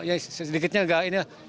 ya sedikitnya nggak ini lah